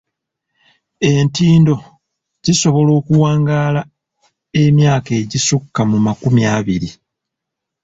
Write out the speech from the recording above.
Entindo zisobola okuwangaala emyaka egisukka mu makumi abiri.